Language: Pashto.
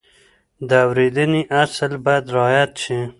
د اورېدنې اصل باید رعایت شي.